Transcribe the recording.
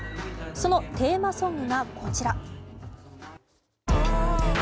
そのテーマソングがこちら。